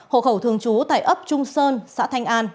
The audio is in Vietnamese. hộ khẩu thương chú tại ấp trung sơn xã thanh an